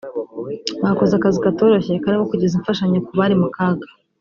Bakoze akazi katoroshye karimo kugeza imfashanyo ku bari mu kaga